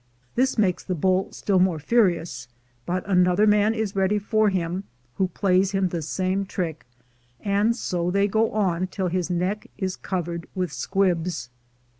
This makes the bull still more furious, but another man is ready for him, who plaj^s him the same trick, and so they go on till his neck is covered with squibs.